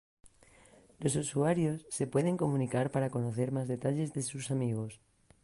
Los usuarios se pueden comunicar para conocer más detalles de sus amigos.